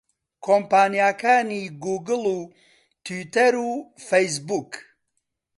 کۆمپانیاکانی گووگڵ و تویتەر و فەیسبووک